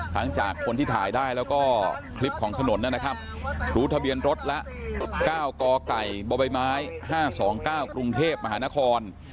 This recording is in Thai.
หลังจากคนที่ถ่ายได้แล้วก็คลิปของถนนนั่นนะครับถูกทะเบียนรถแล้วก้าวกอไก่บ่อใบไม้๕๒๙กรุงเทพฯมหานคร